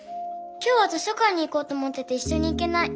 今日は図書館に行こうと思ってていっしょに行けない。